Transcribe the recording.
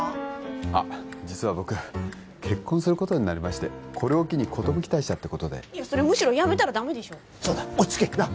あっ実は僕結婚することになりましてこれを機に寿退社ってことでいやむしろ辞めたらダメでしょそうだ落ち着けなっ